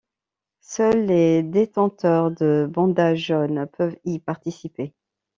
Seul les détenteurs de bandages jaunes peuvent y participer.